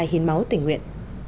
hiến máu tỉnh nguyện